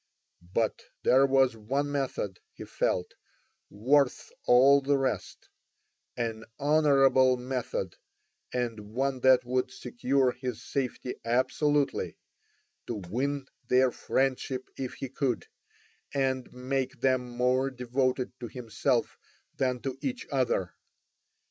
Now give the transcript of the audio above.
But there was one method, he felt, worth all the rest, an honourable method and one that would secure his safety absolutely; to win their friendship if he could, and make them more devoted to himself than to each other.